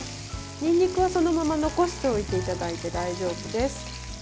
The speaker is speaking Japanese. にんにくはそのまま残しておいていただいて大丈夫です。